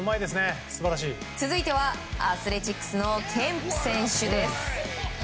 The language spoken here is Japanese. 続いてはアスレチックスケンプ選手です。